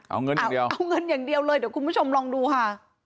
เอาเงินอย่างเดียวเอาเงินอย่างเดียวเลยเดี๋ยวคุณผู้ชมลองดูค่ะ